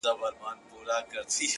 چي شرمېږي له سرونو بګړۍ ورو ورو٫